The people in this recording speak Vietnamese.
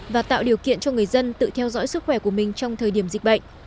và tạo điều kiện cho người dân tự theo dõi sức khỏe của mình trong thời điểm dịch bệnh